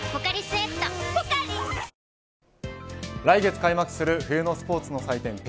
来月開幕する冬のスポーツの祭典